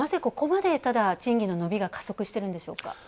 ここまで、ただ賃金の伸びが加速してるんでしょうか。